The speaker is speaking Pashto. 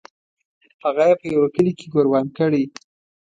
هغه یې په یوه کلي کې ګوروان کړی.